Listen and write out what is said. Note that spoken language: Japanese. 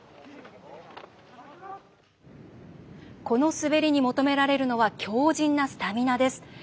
この滑りに求められるのは強じんなスタミナです。